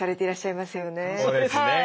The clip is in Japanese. そうですね。